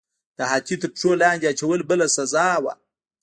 د هاتي تر پښو لاندې اچول بله سزا وه.